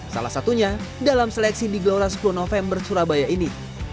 salah satunya dalam seleksi di gelora sepuluh november surabaya ini